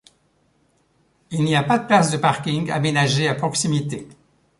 Il n'y a pas de places de parking aménagées à proximité.